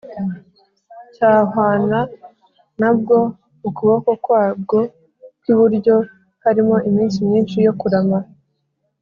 cyahwana na bwo Mu kuboko kwabwo kw iburyo harimo iminsi myinshi yo kurama